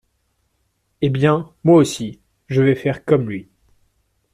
Eh bien, moi aussi, je vais faire comme lui.